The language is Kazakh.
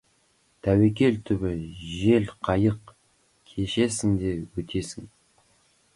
Тәуекел түбі — жел қайық, кешесің де өтесің.